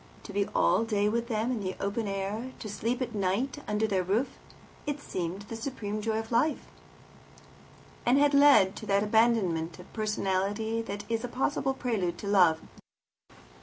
To be all day with them in the open air, to sleep at night under their roof, had seemed the supreme joy of life, and had led to that abandonment of personality that is a possible prelude to love.